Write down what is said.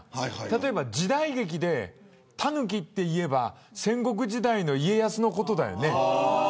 例えば時代劇でタヌキといえば戦国時代の家康のことだよね。